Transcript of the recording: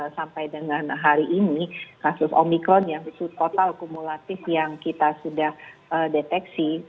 sampai dengan hari ini kasus omikron yang total kumulatif yang kita sudah deteksi